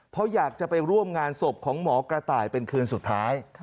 เพราะอยากจะไปร่วมงานศพของหมอกระต่ายเป็นคืนสุดท้าย